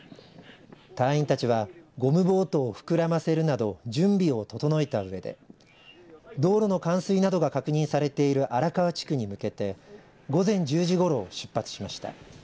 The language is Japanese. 隊員たちはゴムボートを膨らませるなど準備を整えたうえで道路の冠水などが確認されている荒川地区に向けて午前１０時ごろ出発しました。